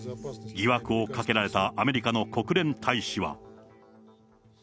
疑惑をかけられたアメリカの国連大使は。